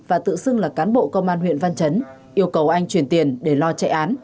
và tự xưng là cán bộ công an huyện văn chấn yêu cầu anh chuyển tiền để lo chạy án